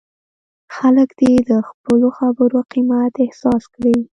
خلک دې د خپلو خبرو قیمت احساس کړي.